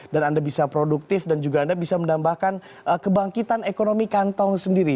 dan anda bisa produktif dan juga anda bisa menambahkan kebangkitan ekonomi kantong sendiri